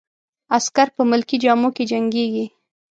عسکر په ملکي جامو کې جنګیږي.